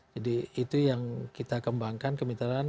jadi itu yang kita kemudiankan